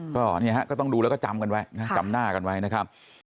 ก็ต้องดูแล้วก็จำกันไว้จำหน้ากันไว้นะครับ